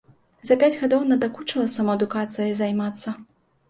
За пяць гадоў надакучыла самаадукацыяй займацца.